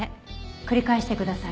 繰り返してください。